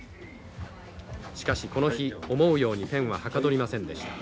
しかしこの日思うようにペンははかどりませんでした。